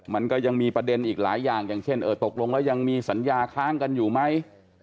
มันก็ยังมีประเด็นอีกหลายอย่างอย่างเช่นเออตกลงแล้วยังมีสัญญาค้างกันอยู่ไหม